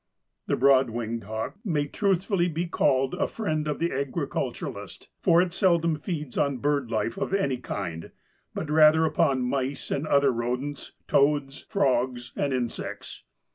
The Broad winged Hawk may truthfully be called a friend of the agriculturist, for it seldom feeds on bird life of any kind, but rather upon mice and other rodents, toads, frogs and insects.